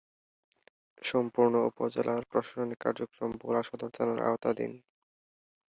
সম্পূর্ণ উপজেলার প্রশাসনিক কার্যক্রম ভোলা সদর থানার আওতাধীন।